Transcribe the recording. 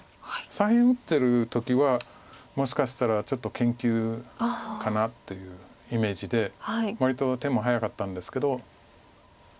左辺打ってる時はもしかしたらちょっと研究かな？というイメージで割と手も早かったんですけど。